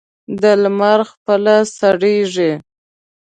د لمر خپله سړېږي.